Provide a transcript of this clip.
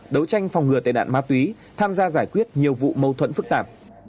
đấu tranh phòng ngừa tệ nạn ma túy tham gia giải quyết nhiều vụ mâu thuẫn phức tạp